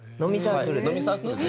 飲みサークルで。